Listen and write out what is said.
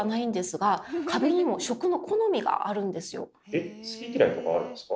えっ好き嫌いとかあるんですか？